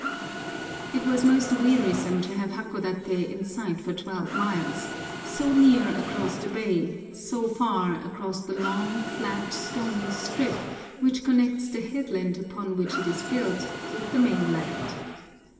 It was most wearisome to have Hakodaté in sight for twelve miles, so near across the bay, so far across the long, flat, stony strip which connects the headland upon which it is built with the mainland.